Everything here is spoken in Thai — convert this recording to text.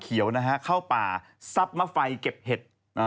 เข้าป่าซับมาไฟเก็บเห็ด